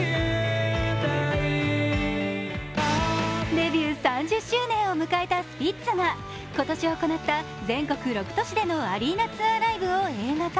デビュー３０周年を迎えたスピッツが今年行った全国６都市でのアリーナツアーライブを映画化。